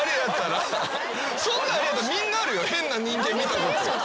そんなんみんなあるよ変な人間見たこと。